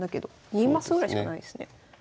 ２マスぐらいしかないですね。